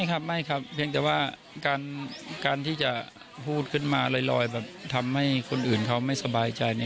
ครับไม่ครับเพียงแต่ว่าการที่จะพูดขึ้นมาลอยแบบทำให้คนอื่นเขาไม่สบายใจ